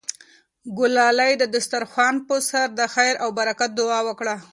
ګلالۍ د دسترخوان په سر د خیر او برکت دعا وکړه.